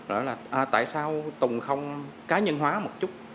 rồi là tại sao tùng không cá nhân hóa một chút